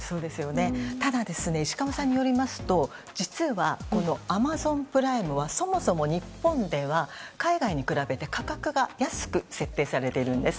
ただ、石川さんによりますと実はアマゾンプライムはそもそも日本では海外に比べて価格が安く設定されているんです。